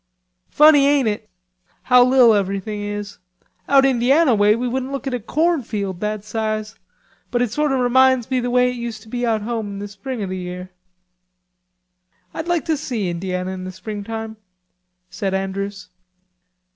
"Funny, ain't it? How li'l everythin' is," said Chrisfield. "Out Indiana way we wouldn't look at a cornfield that size. But it sort o' reminds me the way it used to be out home in the spring o' the year." "I'd like to see Indiana in the springtime," said Andrews.